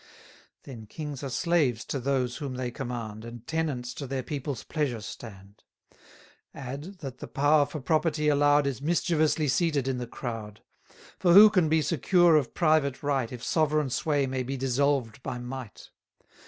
Then kings are slaves to those whom they command, And tenants to their people's pleasure stand. Add, that the power for property allow'd Is mischievously seated in the crowd; For who can be secure of private right, If sovereign sway may be dissolved by might?